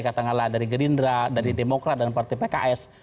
katakanlah dari gerindra dari demokrat dan partai pks